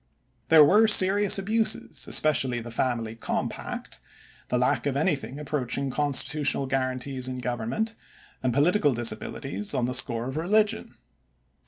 There were serious abuses, especially "the Family Compact", the lack of anything approaching constitutional guarantees in government, and political disabilities on the score of religion.